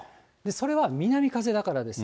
それは南風だからです。